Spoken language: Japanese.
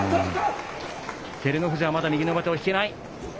照ノ富士はまだ右の上手を引けない。